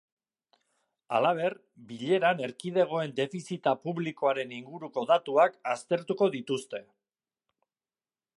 Halaber, bileran erkidegoen defizita publikoaren inguruko datuak aztertuko dituzte.